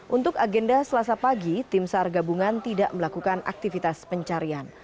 untuk agenda selasa pagi tim sar gabungan tidak melakukan aktivitas pencarian